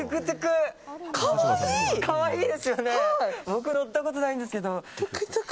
僕、乗ったことないんですけど。